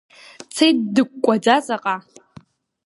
Дцеит дыкәкәаӡа ҵаҟа.